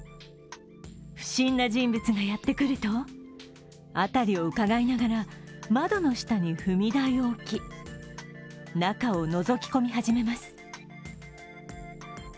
不審な人物がやってくると辺りをうかがいながら窓の下に踏み台を置き中をのぞき込み始めます。